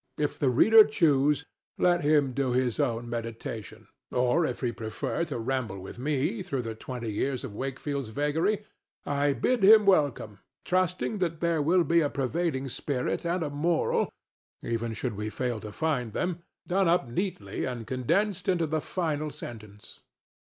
If the reader choose, let him do his own meditation; or if he prefer to ramble with me through the twenty years of Wakefield's vagary, I bid him welcome, trusting that there will be a pervading spirit and a moral, even should we fail to find them, done up neatly and condensed into the final sentence.